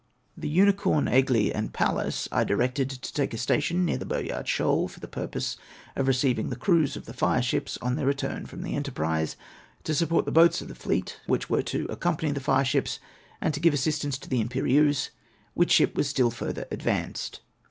The Unicorn, Algle, and Pallas, I directed to take a station near the Boyart Shoal, for the purpose of receiving the crews of the fireships on their return from the enter prise, to support the boats of the fleet which were to accom pany the fireships, and to give assistance to the Imperieuse, which ship was still further advanced.